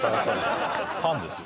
パンですよ。